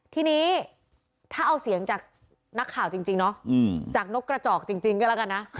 ทีนี้ถ้าเอาเสียงจากนักข่าวจริงเนาะจากนกกระจอกจริงก็แล้วกันนะ